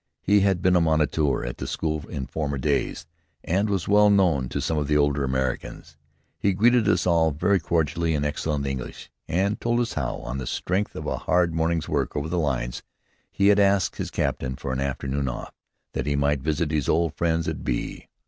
He had been a moniteur at the school in former days, and was well known to some of the older Americans. He greeted us all very cordially, in excellent English, and told us how, on the strength of a hard morning's work over the lines, he had asked his captain for an afternoon off that he might visit his old friends at B